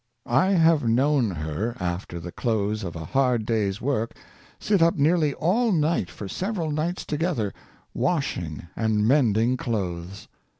I have known her, af ter the close of a hard day's work, sit up nearly all night for several nights together, washing and mending clothes.